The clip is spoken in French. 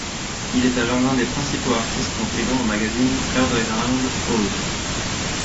Il est alors l'un des principaux artistes contribuant au magazine underground Oz.